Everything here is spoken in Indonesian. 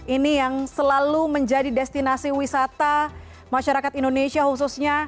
ini yang selalu menjadi destinasi wisata masyarakat indonesia khususnya